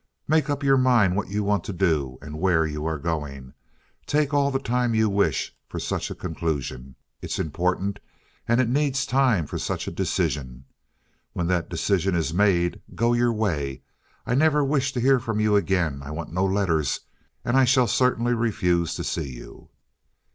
Make up your mind what you want to do and where you are going. Take all the time you wish for such a conclusion. It's important, and it needs time for such a decision. When that decision is made, go your way. I never wish to hear from you again. I want no letters, and I shall certainly refuse to see you."